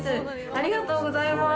ありがとうございます。